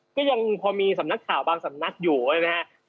ก็ยังพอมีสำนักข่าวบางสำนักอยู่ใช่ไหมฮะ